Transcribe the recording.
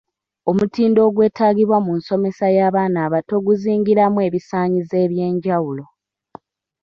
Omutindo ogwetaagibwa mu nsomesa y’abaana abato guzingiramu ebisaanyizo eby’enjawulo.